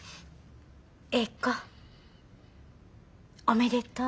詠子おめでとう。